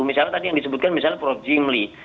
misalnya tadi yang disebutkan misalnya prof jimli